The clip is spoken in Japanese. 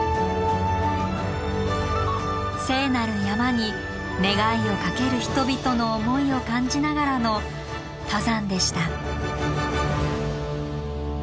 聖なる山に願いをかける人々の思いを感じながらの登山でした。